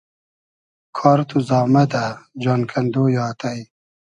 کار تو زامئدۂ ، جان کئندۉ یۂ آتݷ